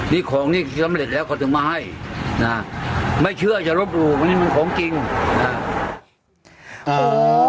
นี่ของนี่สำเร็จแล้วเขาถึงมาให้นะฮะไม่เชื่อจะรบรูปนี่มันของจริงนะฮะ